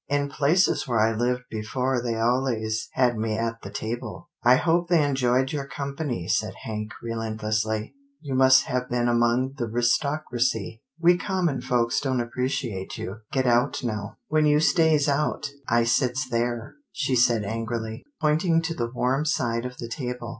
" In places where I lived afore they allays had me at the table." " I hope they enjoyed your company," said Hank relentlessly. " You must have been among the 'ris tocracy. We common folks don't appreciate you — Get out now." 'TILDA JANE'S ERRAND 47 " When you stays out, I sits there," she said angrily, pointing to the warm side of the table.